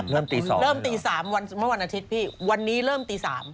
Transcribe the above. เริ่มตี๓วันเมื่อวันอาทิตย์พี่วันนี้เริ่มตี๓